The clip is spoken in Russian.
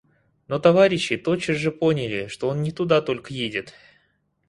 Но товарищи тотчас же поняли, что он не туда только едет.